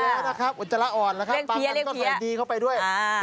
ใช่แล้วนะครับอุจจาระอ่อนเลี้ยงเพีย